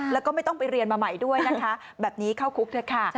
แล้วก็ไม่ต้องไปเรียนมาใหม่ด้วยนะคะแบบนี้เข้าคุกเถอะค่ะ